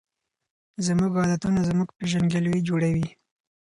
زموږ عادتونه زموږ پیژندګلوي جوړوي.